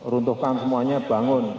runtuhkan semuanya bangun